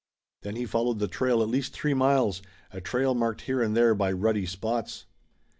Then he followed the trail at least three miles, a trail marked here and there by ruddy spots.